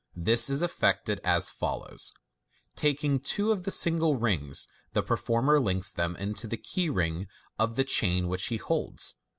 This is effected as follows :— Taking two of the single rings, the performer links them into the key ring of the chain which he holds.